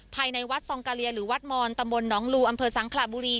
ภายในวัดซองกาเลียหรือวัดมอนตำบลน้องลูอำเภอสังขลาบุรี